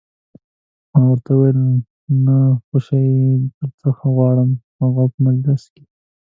ما ورته وویل: نه، خو یو شی درڅخه غواړم، هغه هم مجلس دی.